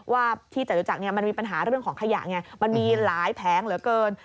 ว่าที่จตุจักรมันมีปัญหาเรื่องของขยะไงมันมีหลายแผงเหลือเกิน